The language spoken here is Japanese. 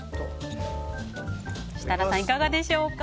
設楽さん、いかがでしょうか。